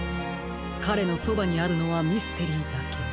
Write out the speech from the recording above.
かれのそばにあるのはミステリーだけ。